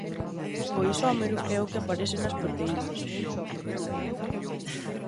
O isómero é o que aparece nas proteínas.